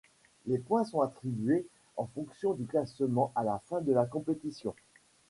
Les points sont attribués en fonction du classement à la fin de la compétition.